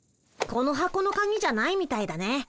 この箱のカギじゃないみたいだね。